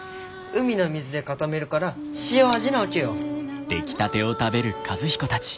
海の水で固めるから塩味なわけよ。